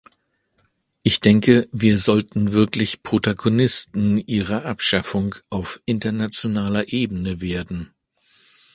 Ich denke, wir sollten wirklich Protagonisten ihrer Abschaffung auf internationaler Ebene werden.